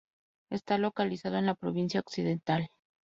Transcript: Está localizado en la Provincia Occidental.